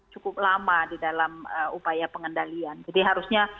cukup lama di dalam upaya pengendalian jadi harusnya